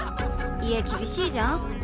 家厳しいじゃん？